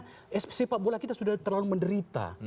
karena sifat bola kita sudah terlalu menderita